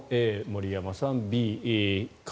森山さん